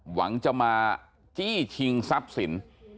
หวังจะมาจี้ชิงทรัพย์สิน